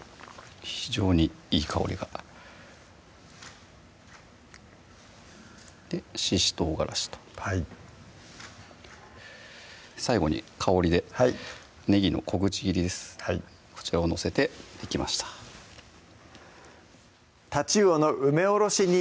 非常にいい香りがししとうがらしとはい最後に香りでねぎの小口切りですこちらを載せてできました「太刀魚の梅おろし煮」